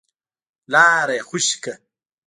لاره يې خوشې کړه.